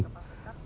cây xanh ngay